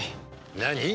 何！？